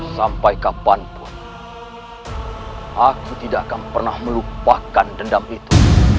sampai kapanpun aku tidak akan pernah melupakan dendam itu